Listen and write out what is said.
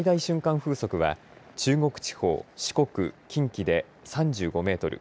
風速は中国地方、四国、近畿で３５メートル